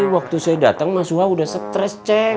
waktu saya datang ma suha udah stress ceng